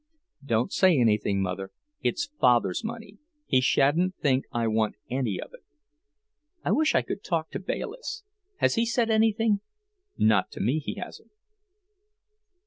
"Don't say anything, Mother. It's Father's money. He shan't think I want any of it." "I wish I could talk to Bayliss. Has he said anything?" "Not to me, he hasn't."